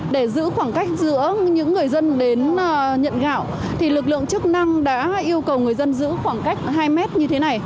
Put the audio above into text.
để giữ khoảng cách giữa những người dân đến nhận gạo lực lượng chức năng đã yêu cầu người dân giữ khoảng cách hai mét như thế này